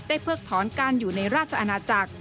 เพิกถอนการอยู่ในราชอาณาจักร